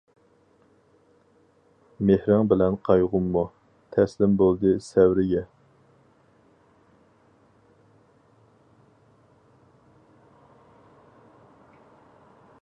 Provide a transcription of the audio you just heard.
مېھرىڭ بىلەن قايغۇممۇ، تەسلىم بولدى سەۋرىگە.